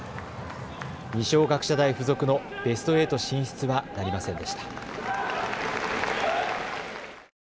二松学舎大付属のベスト８進出はなりませんでした。